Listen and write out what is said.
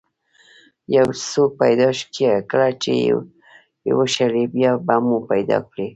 یو څوک پیدا کړه چې ويې شړي، بیا به مو پیدا کړي.